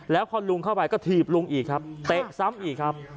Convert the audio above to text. แล้วพอลุงเข้าไปก็ถีบลุงอีกครับเตะซ้ำอีกครับ